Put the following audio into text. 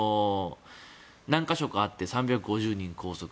何か所かあって３５０人拘束。